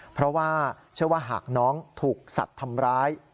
เพราะว่าเชื่อว่าหากน้องถูกสัตว์ทำร้าย